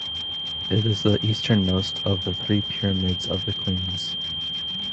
It is the easternmost of the three pyramids of the queens.